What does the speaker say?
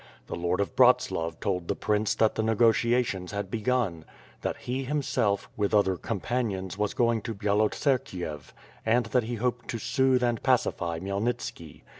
The lord of Bratslav told the prince that the 350 ^^^^^^^^^^ SWORD. negotiations had begun; that he, himself, with other com panions was going to Byalotserkiev and that he hoped to soothe and pacify Khmyelnitski.